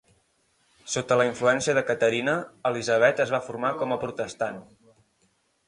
Sota la influència de Caterina, Elisabet es va formar com a protestant.